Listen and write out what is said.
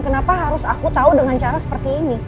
kenapa harus aku tahu dengan cara seperti ini